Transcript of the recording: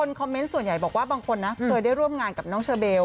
คอมเมนต์ส่วนใหญ่บอกว่าบางคนนะเคยได้ร่วมงานกับน้องเชอเบล